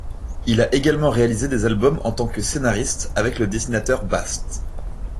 Il a également réalisé des albums en tant que scénariste, avec le dessinateur Bast.